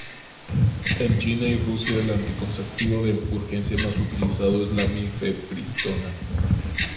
En China y Rusia el anticonceptivo de urgencia más utilizado es la mifepristona.